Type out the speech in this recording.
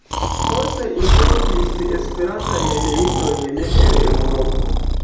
Poste importis Esperantajn librojn el Eŭropo.